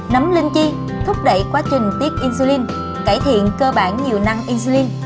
nấm linh chi thúc đẩy quá trình tiết insulin cải thiện cơ bản nhiều năng insulin